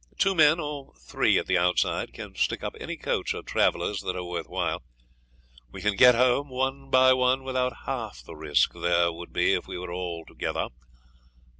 Two men, or three at the outside, can stick up any coach or travellers that are worth while. We can get home one by one without half the risk there would be if we were all together.